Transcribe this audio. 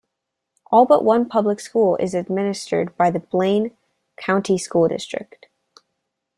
All but one public school is administered by the Blaine County School District.